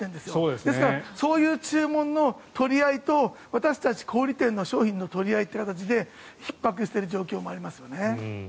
ですから、そういう注文の取り合いと私たち小売店の商品の取り合いという形でひっ迫してる状況もありますよね。